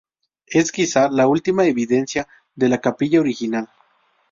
Es quizá la última evidencia de la capilla original.